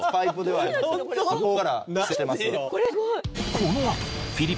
このあと。